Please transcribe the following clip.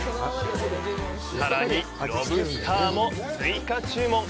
さらにロブスターも追加注文！